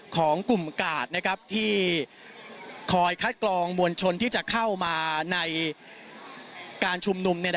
ของกลุ่มกาดที่คอยคัดกรองมวลชนที่จะเข้ามาในการชุมนุม